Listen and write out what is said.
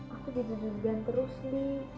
aku gitu gituan terus ndi